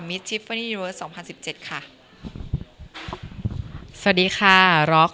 มิสทิฟฟานี่ยูนิเวิร์สสองพันสิบเจ็ดค่ะสวัสดีค่ะร็อก